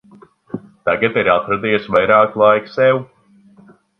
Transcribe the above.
Tagad ir atradies vairāk laiks sev.